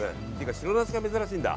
白ナスが珍しいんだ。